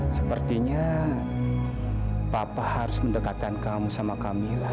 sepertinya papa harus mendekatan kamu sama kamilah